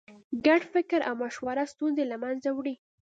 ګډ فکر او مشوره ستونزې له منځه وړي.